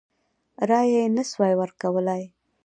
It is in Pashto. رایه یې نه سوای ورکولای.